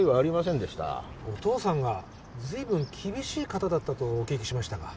お父さんがずいぶん厳しい方だったとお聞きしましたが。